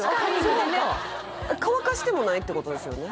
乾かしてもないってことですよね